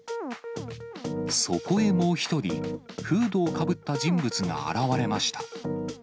そこへもう１人、フードをかぶった人物が現れました。